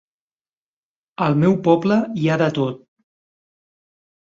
Al meu poble hi ha de tot.